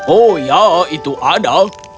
oh ya itu ada